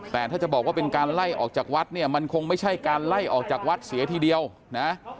แต่ถ้าจะบอกว่าเป็นการไล่ออกจากวัดเนี่ยมันคงไม่ใช่การไล่ออกจากวัดเสียทีเดียวนะ